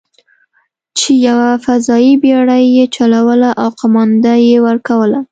چې یوه فضايي بېړۍ یې چلوله او قومانده یې ورکوله.